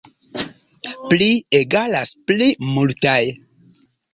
Pli = pli multaj.